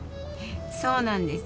そうなんです。